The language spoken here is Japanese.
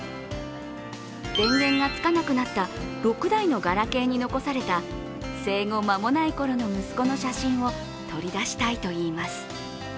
電源がつかなくなった６台のガラケーに残された生後間もない頃の息子の写真を取り出したいといいます。